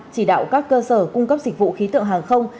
chỉ đạo các cơ sở cung cấp dịch vụ khí tượng hàng không